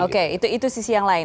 oke itu sisi yang lain